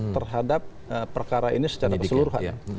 terhadap perkara ini secara keseluruhan